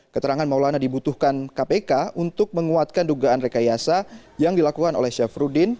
keterangan maulana dibutuhkan kpk untuk menguatkan dugaan rekayasa yang dilakukan oleh syafruddin